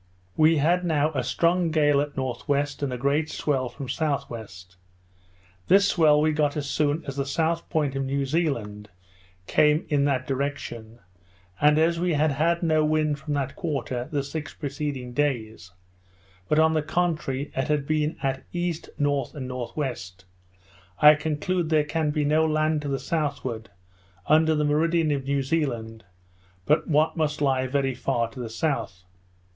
We had now a strong gale at N.W., and a great swell from S.W. This swell we got as soon as the south point of New Zealand came in that direction; and as we had had no wind from that quarter the six preceding days, but, on the contrary, it had been at east, north, and N.W., I conclude there can be no land to the southward, under the meridian of New Zealand, but what must lie very far to the south.